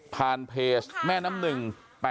เพจแม่น้ำหนึ่ง๘๘